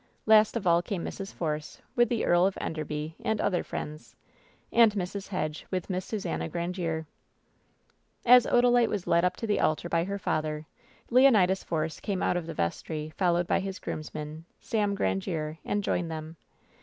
Last of all came Mrs. Force, with the Earl of En derby and other friends, and Mrs. Hedge, with Miss Susannah Grandiere. As Odalite was led up to the altar by her father, Leonidas Force came out of the vestry, followed by his groomsman, Sam Grandiere, and joined them.